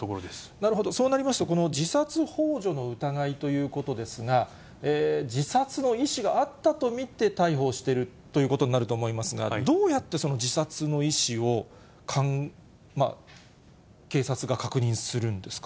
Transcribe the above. なるほど、そうなりますと、この自殺ほう助の疑いということですが、自殺の意思があったと見て逮捕をしているということになると思いますが、どうやってその自殺の意思を警察が確認するんですか。